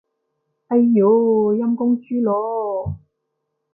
哎唷，陰公豬咯